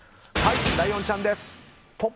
ライオンちゃんです。